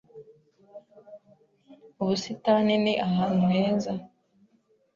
Ubusitani ni ahantu heza